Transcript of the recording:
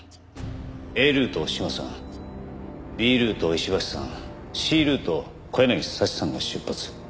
Ａルートを島さんＢルートを石橋さんＣルートを小柳早智さんが出発。